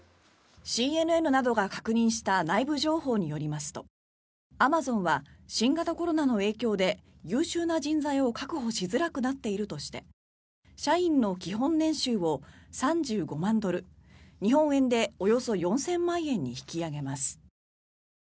ＣＮＮなどが確認した内部情報によりますとアマゾンは新型コロナの影響で優秀な人材を確保しづらくなっているとして社員の基本年収を３５万ドル日本円で、およそ４０００万円に引き上げます。